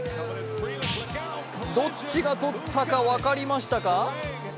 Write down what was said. どっちがとったか分かりましたか？